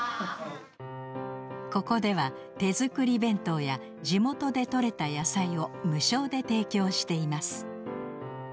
ここでは手作り弁当や地元でとれた野菜を無償で提供しています。